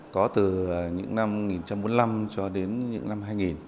có từ những năm một nghìn chín trăm bốn mươi năm cho đến những năm hai nghìn